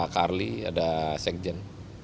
karli ada sekjen